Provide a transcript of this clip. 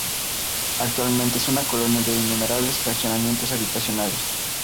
Actualmente es una colonia de innumerables fraccionamientos habitacionales.